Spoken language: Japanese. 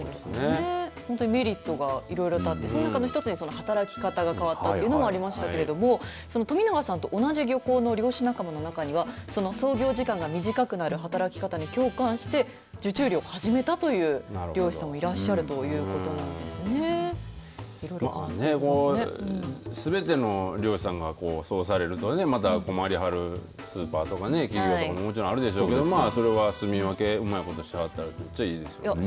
本当にメリットがいろいろとあってその中の１つに働き方が変わったというのもありましたけども富永さんと同じ漁港の漁師仲間の中には操業時間が短くなる働き方に共感して受注漁を始めたという漁師さんもいらっしゃるすべての漁師さんがそうされると困りはるスーパーとかあると思いますがそれは住み分けうまいことしはってめっちゃいいですよね。